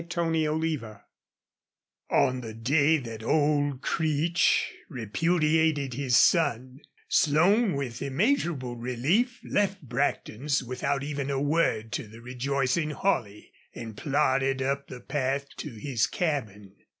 CHAPTER XVIII On the day that old Creech repudiated his son, Slone with immeasurable relief left Brackton's without even a word to the rejoicing Holley, and plodded up the path to his cabin.